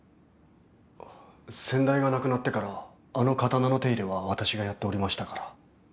先代が亡くなってからあの刀の手入れは私がやっておりましたから。